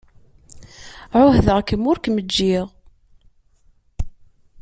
Ɛuhdeɣ-kem ur kem-ǧǧiɣ.